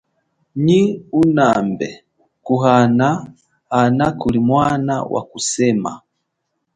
Nyi unambe kuhana hana kulimwana wakusema.